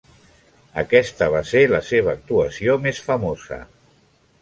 Aquesta va ser la seva actuació més famosa.